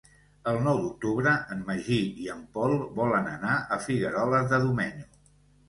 El nou d'octubre en Magí i en Pol volen anar a Figueroles de Domenyo.